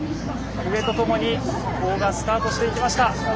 笛とともにスタートしていきました。